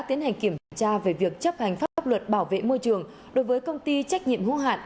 tiến hành kiểm tra về việc chấp hành pháp luật bảo vệ môi trường đối với công ty trách nhiệm hữu hạn